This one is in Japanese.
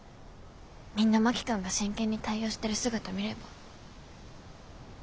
みんな真木君が真剣に対応してる姿見れば。